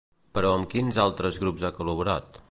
Però amb quins altres grups ha col·laborat?